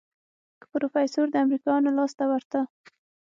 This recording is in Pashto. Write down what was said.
که پروفيسر د امريکايانو لاس ته ورته.